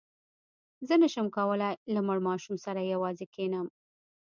زه نه شم کولای له مړ ماشوم سره یوازې کښېنم.